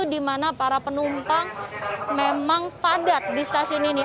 di mana para penumpang memang padat di stasiun ini